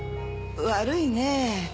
悪いねえ